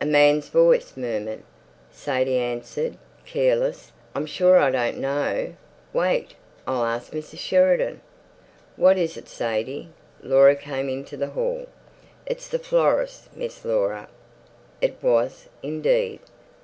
A man's voice murmured; Sadie answered, careless, "I'm sure I don't know. Wait. I'll ask Mrs Sheridan." "What is it, Sadie?" Laura came into the hall. "It's the florist, Miss Laura." It was, indeed.